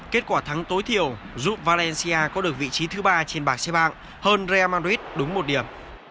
kết quả thắng tối thiểu giúp valencia có được vị trí thứ ba trên bạc xe bạc hơn real madrid đúng một điểm